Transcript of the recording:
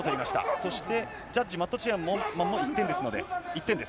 そしてジャッジ、マットチェアマンも１点、１点です。